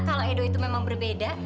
kalau edo itu memang berbeda